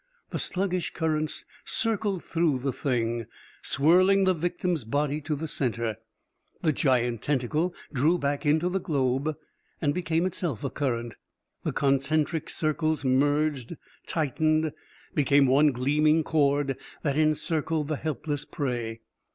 The sluggish currents circled through the Thing, swirling the victim's body to the center. The giant tentacle drew back into the globe and became itself a current. The concentric circles merged tightened became one gleaming cord that encircled the helpless prey.